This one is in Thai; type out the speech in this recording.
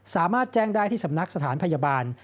สามารถแจ้งได้ที่สำนักสถานพยาบาล